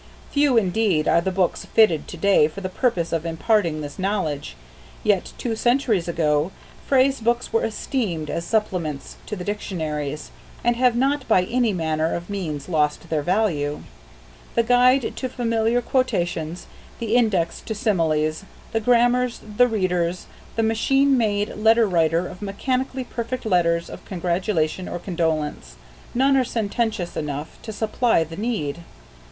Few indeed are the books fitted to day for the purpose of imparting this knowledge, yet two centuries ago phrase books were esteemed as supplements to the dictionaries, and have not by any manner of means lost their value. The guide to familiar quotations, the index to similes, the grammars, the readers, the machine made letter writer of mechanically perfect letters of congratulation or condolence none are sententious enough to supply the need.